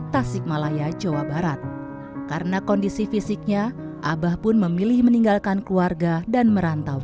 tasik malaya jawa barat karena kondisi fisiknya abah pun memilih meninggalkan keluarga dan merantau